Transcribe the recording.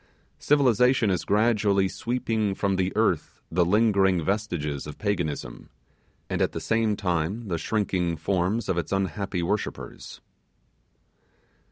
Civilization is gradually sweeping from the earth the lingering vestiges of Paganism, and at the same time the shrinking forms of its unhappy worshippers.